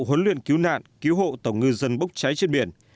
huấn luyện cứu nạn cứu hộ tàu ngư dân bốc cháy trên biển